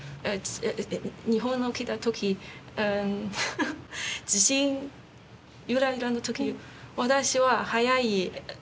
日本の来た時地震ゆらゆらの時私は早い。